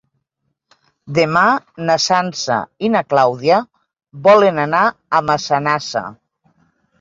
Demà na Sança i na Clàudia volen anar a Massanassa.